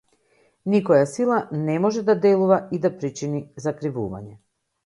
Никоја сила не може да делува и да причини закривување.